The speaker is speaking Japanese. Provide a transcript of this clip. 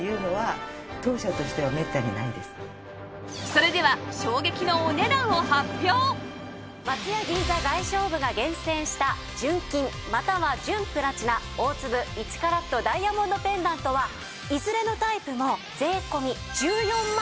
それでは松屋銀座外商部が厳選した純金または純プラチナ大粒１カラットダイヤモンドペンダントはいずれのタイプも税込１４万９８００円です。